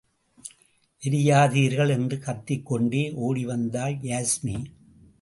எரியாதீர்கள்! என்றுக் கத்திக்கொண்டே ஓடி வந்தாள் யாஸ்மி.